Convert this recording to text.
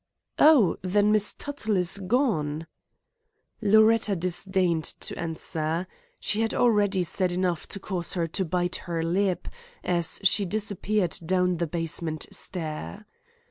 "Oh, then, Miss Tuttle is gone?" Loretta disdained to answer. She had already said enough to cause her to bite her lip as she disappeared down the basement stair.